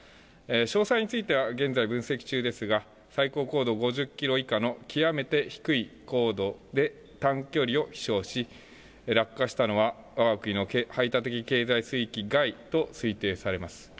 詳細については現在、分析中ですが最高高度５０キロ以下の極めて低い高度で短距離を飛しょうし落下したのはわが国の排他的経済水域外と推定されます。